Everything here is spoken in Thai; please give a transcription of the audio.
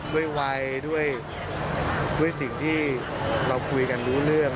ด้วยวัยด้วยสิ่งที่เราคุยกันรู้เรื่อง